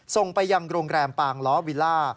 ส่งไปยังโรงแรมปางล้อวิลล่า